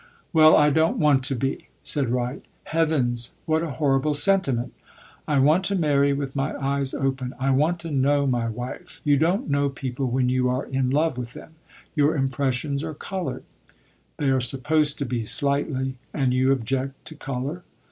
"Well, I don't want to be," said Wright. "Heavens, what a horrible sentiment!" "I want to marry with my eyes open. I want to know my wife. You don't know people when you are in love with them. Your impressions are colored." "They are supposed to be, slightly. And you object to color?"